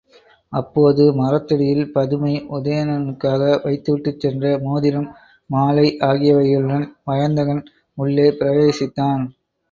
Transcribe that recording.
அப்போது மரத்தடியில் பதுமை உதயணனுக்காக வைத்துவிட்டுச் சென்ற மோதிரம், மாலை ஆகியவைகளுடன் வயந்தகன் உள்ளே பிரவேசித்தான்.